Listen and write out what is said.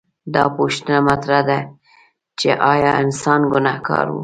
دا پوښتنه مطرح ده چې ایا انسان ګنهګار و؟